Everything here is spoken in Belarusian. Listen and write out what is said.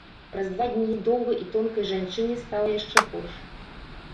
Праз два дні доўгай і тонкай жанчыне стала яшчэ горш.